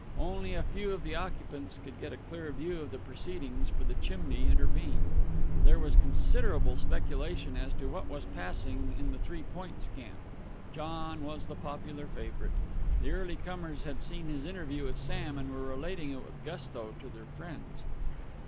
Only a few of the occupants could get a clear view of the proceedings, for the chimney intervened. There was considerable speculation as to what was passing in the Three Points camp. John was the popular favorite. The early comers had seen his interview with Sam, and were relating it with gusto to their friends.